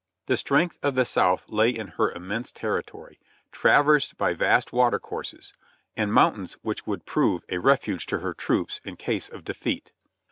The strength of the South lay in her immense territory, trav ersed by vast watercourses; and mountains which would prove a refuge to her troops in case of defeat.